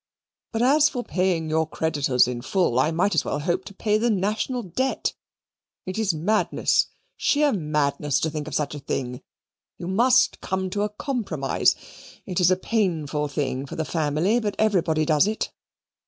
But as for paying your creditors in full, I might as well hope to pay the National Debt. It is madness, sheer madness, to think of such a thing. You must come to a compromise. It's a painful thing for the family, but everybody does it.